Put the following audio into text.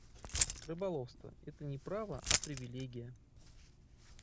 Рыболовство — это не право, а привилегия.